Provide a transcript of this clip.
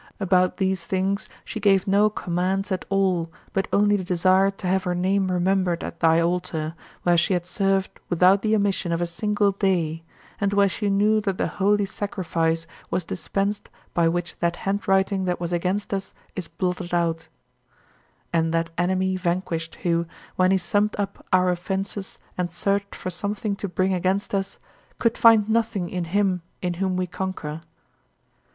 About these things she gave no commands at all, but only desired to have her name remembered at thy altar, where she had served without the omission of a single day, and where she knew that the holy sacrifice was dispensed by which that handwriting that was against us is blotted out; and that enemy vanquished who, when he summed up our offenses and searched for something to bring against us, could find nothing in Him, in whom we conquer.